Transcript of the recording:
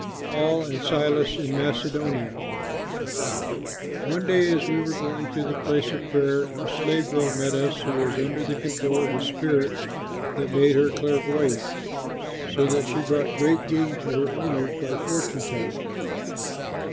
PAUL AND SILAS IN MACEDONIA One day as we were going to the place of prayer, a slave girl met us who was under the control of a spirit that made her clairvoyant, so that she brought great gain to her owners by fortune telling.